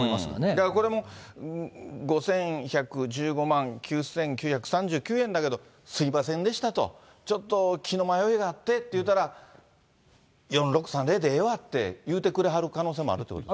だからこれも、５１１５万９９３９円だけど、すみませんでしたと、ちょっと気の迷いがあってっていったら、４６３０でええわって言うてくれはる可能性もあるということ？